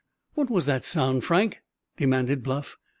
"What was that sound, Frank?" demanded Bluff.